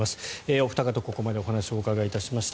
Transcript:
お二方ここまでお話をお伺いしました。